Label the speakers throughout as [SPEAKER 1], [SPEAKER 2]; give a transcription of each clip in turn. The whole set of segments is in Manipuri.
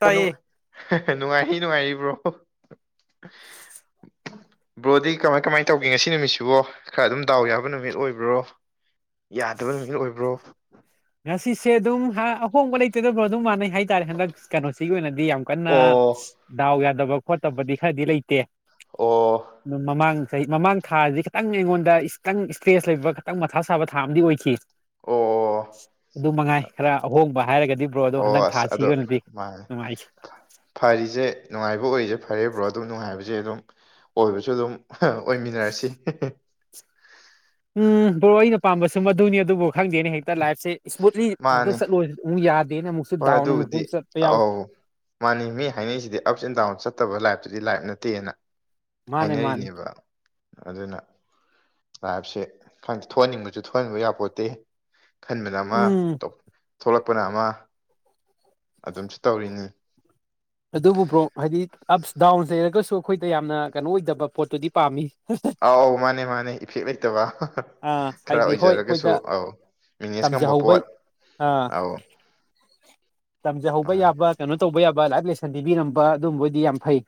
[SPEAKER 1] ꯇꯥꯏꯌꯦ
[SPEAKER 2] ꯀꯣꯅꯨꯡ ꯍꯦ ꯍꯦ ꯅꯨꯡꯉꯥꯏꯔꯤ ꯅꯨꯡꯉꯥꯏꯔꯤ ꯕ꯭ꯔꯣ
[SPEAKER 1] [inaudible]
[SPEAKER 2] ꯕ꯭ꯔꯣꯗꯤ ꯀꯃꯥꯏ ꯀꯃꯥꯏ ꯇꯧꯒꯦ ꯉꯁꯤ ꯅꯨꯃꯤꯠꯁꯤꯕꯣ ꯈꯔ ꯑꯗꯨꯝ ꯗꯥꯎ ꯌꯥꯕ ꯅꯨꯃꯤꯠ ꯑꯣꯏꯕ꯭ꯔꯣ ꯌꯥꯗꯕ ꯅꯨꯃꯤꯠꯒ ꯑꯣꯏꯕ꯭ꯔꯣ
[SPEAKER 1] ꯉꯁꯤꯁꯦ ꯑꯗꯨꯝ ꯍꯥ ꯑꯍꯣꯡꯕ ꯂꯩꯇꯦꯗ ꯕ꯭ꯔꯣ ꯑꯗꯨꯝ ꯃꯥꯟꯅꯩ ꯍꯥꯏꯇꯥꯔꯦ ꯍꯟꯗꯛ ꯀꯩꯅꯣꯁꯤꯒꯤ ꯑꯣꯏꯅꯗꯤ ꯌꯥꯝ ꯀꯟꯅ
[SPEAKER 2] ꯑꯣ
[SPEAKER 1] ꯗꯥꯎ ꯌꯥꯗꯕ ꯈꯣꯠꯇꯕꯗꯤ ꯈꯔꯗꯤ ꯂꯩꯇꯦ
[SPEAKER 2] ꯑꯣ
[SPEAKER 1] ꯃꯃꯥꯡ ꯆꯍꯤ ꯃꯃꯥꯡ ꯊꯥꯁꯤ ꯈꯤꯇꯪ ꯑꯩꯉꯣꯟꯗ ꯈꯤꯇꯪ ꯏꯁꯇ꯭ꯔꯦꯁ ꯂꯩꯕ ꯈꯤꯇꯪ ꯃꯊꯥ ꯁꯥꯕ ꯊꯥ ꯑꯃꯗꯤ ꯑꯣꯏꯈꯤ
[SPEAKER 2] ꯑꯣ
[SPEAKER 1] ꯑꯗꯨꯃꯉꯥꯏ ꯈꯔ ꯑꯍꯣꯡꯕ ꯍꯥꯏꯔꯒꯗꯤ ꯕ꯭ꯔꯣ ꯑꯗꯣ
[SPEAKER 2] ꯑꯣ
[SPEAKER 1] ꯍꯟꯗꯛ
[SPEAKER 2] ꯑꯁ
[SPEAKER 1] ꯊꯥꯁꯤꯒꯤ
[SPEAKER 2] ꯑꯗꯣ
[SPEAKER 1] ꯑꯣꯏꯅꯗꯤ
[SPEAKER 2] ꯃꯥꯅꯦ
[SPEAKER 1] ꯅꯨꯡꯉꯥꯏꯈꯤ
[SPEAKER 2] ꯐꯔꯤꯖꯦ ꯅꯨꯡꯉꯥꯏꯕ ꯑꯣꯏꯔꯤꯖꯦ ꯐꯔꯦ ꯕ꯭ꯔꯣ ꯑꯗꯨ ꯅꯨꯡꯉꯥꯏꯕꯖꯦ ꯑꯗꯨꯝ ꯑꯣꯏꯕꯁꯨ ꯑꯗꯨꯝ ꯑꯍꯥ ꯑꯣꯏꯃꯤꯟꯅꯔꯁꯤ ꯍꯤ ꯍꯤ
[SPEAKER 1] ꯎꯝ ꯕ꯭ꯔꯣ ꯑꯩꯅ ꯄꯥꯝꯕꯁꯨ ꯃꯗꯨꯅꯤ ꯑꯗꯨꯕꯨ ꯈꯪꯗꯦꯅꯦ ꯍꯦꯛꯇ ꯂꯥꯏꯐꯁꯦ ꯏꯁꯃꯨꯠꯂꯤ ꯗꯨꯝ
[SPEAKER 2] ꯃꯥꯅꯤ
[SPEAKER 1] ꯆꯠꯂꯨ ꯑꯃꯨꯛ ꯌꯥꯗꯅꯦ ꯑꯃꯨꯛ
[SPEAKER 2] ꯍꯣꯏ ꯑꯗꯨꯕꯨꯗꯤ ꯑꯥꯎ ꯃꯥꯅꯤ ꯃꯤ ꯍꯥꯏꯅꯩꯁꯤꯗꯤ ꯑꯞꯁ ꯑꯦꯟ ꯗꯥꯎꯟ ꯆꯠꯇꯕ ꯂꯥꯏꯐꯇꯨꯗꯤ ꯂꯥꯏꯞ ꯅꯠꯇꯦꯅ
[SPEAKER 1] ꯃꯥꯅꯦ ꯃꯥꯅꯦ
[SPEAKER 2] ꯍꯥꯏꯅꯔꯤꯅꯦꯕ ꯑꯗꯨꯅ ꯂꯥꯏꯞꯁꯦ ꯈꯪ ꯊꯣꯛꯍꯟꯅꯤꯡꯕꯁꯨ ꯊꯣꯛꯍꯟꯅꯤꯡꯕ ꯌꯥꯄꯣꯟꯇꯦ ꯈꯟꯕꯅ ꯑꯃ
[SPEAKER 1] ꯎꯝ
[SPEAKER 2] ꯇꯧ ꯊꯣꯛꯂꯛꯄꯅ ꯑꯃ ꯑꯗꯨꯝꯁꯨ ꯇꯧꯔꯤꯅꯤ
[SPEAKER 1] ꯑꯗꯨꯕꯨ ꯕ꯭ꯔꯣ ꯍꯥꯏꯗꯤ ꯑꯞꯁ ꯗꯥꯎꯟ ꯂꯩꯩꯔꯒꯁꯨ ꯑꯩꯈꯣꯏꯗ ꯌꯥꯝꯅ ꯀꯩꯅꯣ ꯑꯣꯏꯗꯕ ꯄꯣꯠꯇꯨꯗꯤ ꯄꯥꯝꯃꯤ ꯍꯥ ꯍꯥ
[SPEAKER 2] ꯑꯥꯎ ꯃꯥꯅꯦ ꯃꯥꯅꯦ ꯏꯐꯦꯛ ꯂꯩꯇꯕ ꯍꯥ ꯍꯥ
[SPEAKER 1] ꯑꯥ
[SPEAKER 2] ꯈꯔ
[SPEAKER 1] ꯍꯥꯏꯗꯤ ꯍꯣꯏ ꯑꯩꯈꯣꯏꯗ
[SPEAKER 2] ꯑꯣꯏꯖꯔꯒꯁꯨ ꯑꯥꯎ ꯃꯤꯅꯦꯁ ꯉꯝꯕ
[SPEAKER 1] ꯇꯝꯖꯍꯧꯕ
[SPEAKER 2] ꯄꯣꯠ
[SPEAKER 1] ꯑꯥ
[SPEAKER 2] ꯑꯧ
[SPEAKER 1] ꯇꯝꯖꯍꯧꯕ ꯌꯥꯕ ꯀꯩꯅꯣ ꯇꯧꯕ ꯌꯥꯕ ꯂꯥꯏꯐ ꯂꯦꯁꯟ ꯄꯤꯕꯤꯔꯝꯕ ꯑꯗꯨꯝꯕ ꯑꯣꯏꯗꯤ ꯌꯥꯝ ꯐꯩ